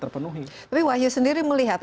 terpenuhi tapi wahyu sendiri melihat